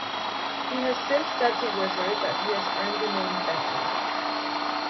He has since said to Wizard that he has earned the name "Bentley".